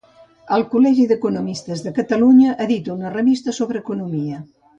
El Col·legi d'Economistes de Catalunya edita una revista sobre economia.